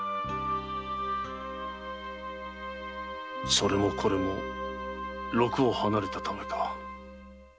それもこれも禄を離れたためか。